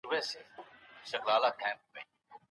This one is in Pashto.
زه خوږ وم.